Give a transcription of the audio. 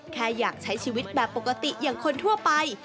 แค่อยากใช้ชีวิตแบบปกติอย่างคนทั่วไป